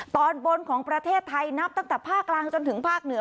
ตอนบนของประเทศไทยนับตั้งแต่ภาคกลางจนถึงภาคเหนือ